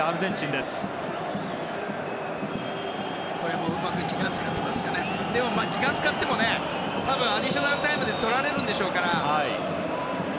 でも、時間を使ってもね多分、アディショナルタイムで取られるんでしょうから。